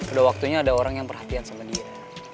udah waktunya ada orang yang perhatian sama dia